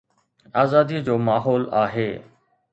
آزاديءَ جو ماحول آهي.